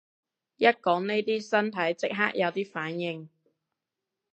一講呢啲身體即刻有啲反應